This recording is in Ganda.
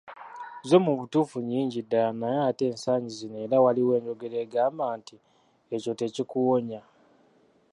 Zo mu butuufu nnyingi ddala, naye ate ensangi zino era waliwo enjogera egamba nti, "ekyo tekikuwonya."